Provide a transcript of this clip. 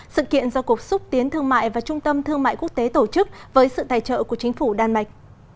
sự kiện do cục xúc tiến thương mại và trung tâm thương mại quốc tế tổ chức với sự tài trợ của chính phủ đan mạch